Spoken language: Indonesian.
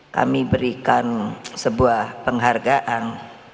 kami berikan sebuah penghargaan